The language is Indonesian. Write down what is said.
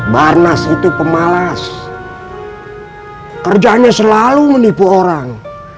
barnas itu pemalas kerjanya selalu menipu orang